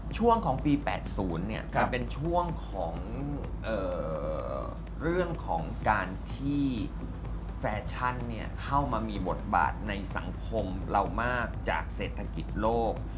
ช่วงของปี๘๐จะเป็นช่วงของเรื่องของการที่แฟชั่นเข้ามามีบทบาทในสังคมเรามากจากเศรษฐกิจโลก